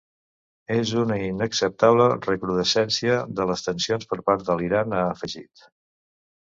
És una inacceptable recrudescència de les tensions per part de l’Iran, ha afegit.